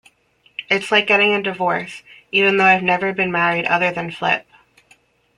It's like getting a divorce; even though I've never been married other than Flip.